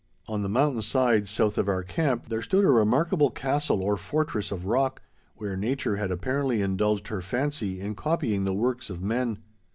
On the mountain side south of our camp, there stood a remarkable castle or fortress of rock, where nature had apparently indulged her fancy in copying the works of men.